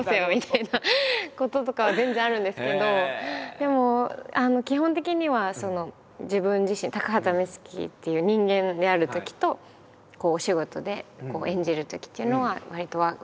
でも基本的には自分自身高畑充希っていう人間であるときとお仕事で演じるときっていうのはわりと分かれてる。